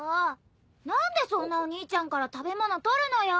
何でそんなお兄ちゃんから食べ物取るのよ！